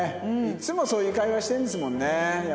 いつもそういう会話してるんですもんねやっぱね。